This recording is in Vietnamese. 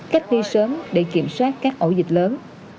cách ly sớm để kiểm soát các ổ dịch lớn